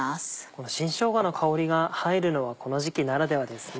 この新しょうがの香りが入るのはこの時期ならではですね。